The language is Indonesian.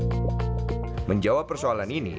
pemerintah kabupaten kulungan